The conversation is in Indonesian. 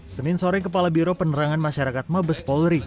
senin sore kepala biro penerangan masyarakat mabes polri